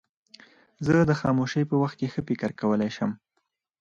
زه د خاموشۍ په وخت کې ښه فکر کولای شم.